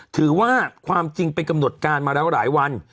ถือว่าความจริงเป็นกำหนดการมาแล้วหลายวัน